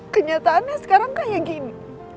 kenyataannya sekarang kayak gini